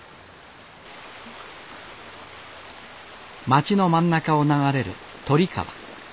町の真ん中を流れる鳥川。